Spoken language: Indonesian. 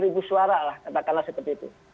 ribu suara lah katakanlah seperti itu